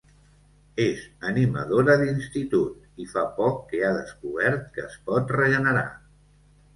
És animadora d'institut i fa poc que ha descobert que es pot regenerar.